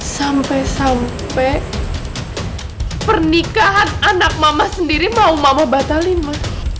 sampai sampai pernikahan anak mama sendiri mau mama batalime